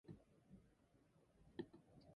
The basic protocol operates essentially as follows.